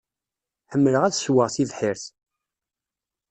Ḥemmleɣ ad ssweɣ tibḥirt.